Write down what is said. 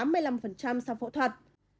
sau phẫu thuật